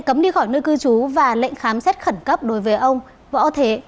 cấm đi khỏi nơi cư trú và lệnh khám xét khẩn cấp đối với ông võ thế